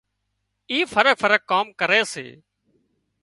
اي فرق فرق ڪام ڪري سي